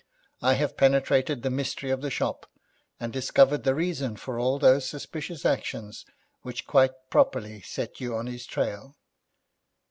I have penetrated the mystery of the shop, and discovered the reason for all those suspicious actions which quite properly set you on his trail.